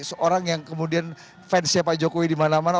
seorang yang kemudian fans siapa jokowi dimana mana